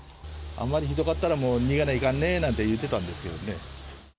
あまりひどかったら、もう、逃げなきゃいかんねなんて言ってたんですけどね。